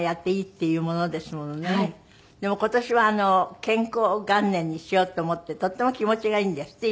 でも今年は健康元年にしようと思ってとっても気持ちがいいんですって？